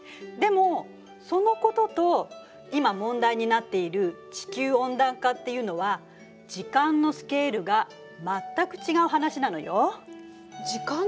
でもそのことと今問題になっている地球温暖化っていうのは時間のスケールが全く違う話なのよ。